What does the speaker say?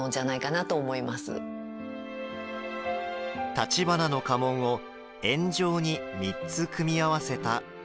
橘の家紋を円状に３つ組み合わせた女紋。